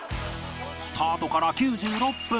スタートから９６分